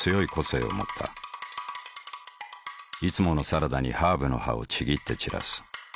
いつものサラダにハーブの葉をちぎって散らす。